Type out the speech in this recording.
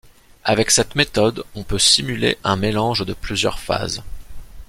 Avec cette méthode, on peut simuler un mélange de plusieurs phases.